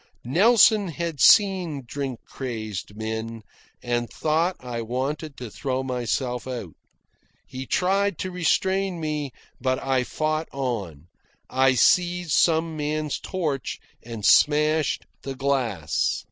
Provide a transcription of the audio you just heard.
Nelson had seen drink crazed men, and thought I wanted to throw myself out. He tried to restrain me, but I fought on. I seized some man's torch and smashed the glass.